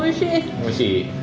おいしい？